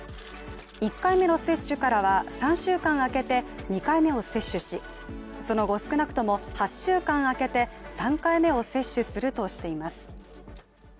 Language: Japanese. １回目の接種からは３週間空けて２回目を接種しその後、少なくとも８週間空けて３回目を接種するとしています。